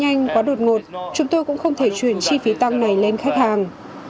chúng tôi không có đột ngột chúng tôi cũng không thể truyền chi phí tăng này lên khách hàng